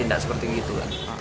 tidak seperti gitu